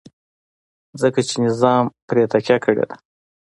ځکه چې نظام پرې تکیه کړې ده.